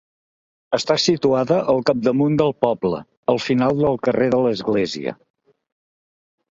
Està situada al capdamunt del poble, al final del carrer de l'Església.